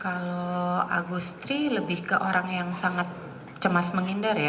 kalau agustri lebih ke orang yang sangat cemas menghindar ya